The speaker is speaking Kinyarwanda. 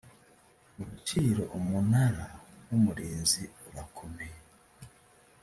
mu gaciro umunara w umurinzi urakomeye